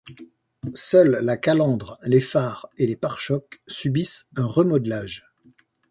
Seuls la calandre, les phares et les pare-chocs subissent un remodelage.